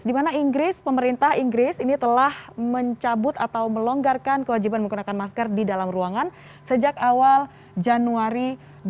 di mana inggris pemerintah inggris ini telah mencabut atau melonggarkan kewajiban menggunakan masker di dalam ruangan sejak awal januari dua ribu dua